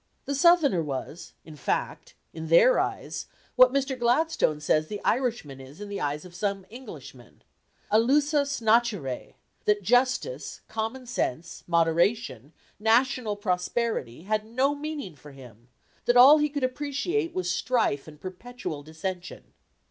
The Southerner was, in fact, in their eyes, what Mr. Gladstone says the Irishman is in the eyes of some Englishmen: "A lusus naturæ; that justice, common sense, moderation, national prosperity had no meaning for him; that all he could appreciate was strife and perpetual dissension.